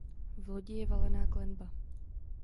V lodi je valená klenba.